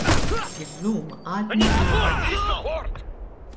Illum għadna fil-baħħ.